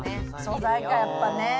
素材かやっぱね